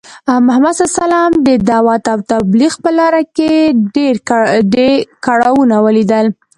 محمد ص د دعوت او تبلیغ په لاره کې ډی کړاوونه ولیدل .